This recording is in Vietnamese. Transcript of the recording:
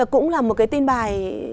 cũng là một cái tin bài